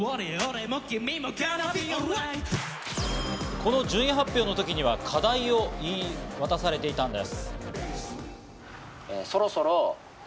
この順位発表の時には課題を言い渡されていたんです。